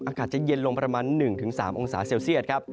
อากาศจะเย็นลงประมาณ๑๓องศาเซลเซียตครับ